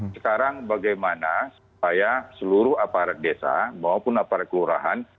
sekarang bagaimana supaya seluruh aparat desa maupun aparat kelurahan